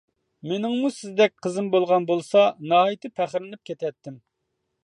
مېنىڭمۇ سىزدەك قىزىم بولغان بولسا ناھايىتى پەخىرلىنىپ كېتەتتىم.